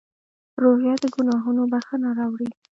روژه د ګناهونو بښنه راوړي.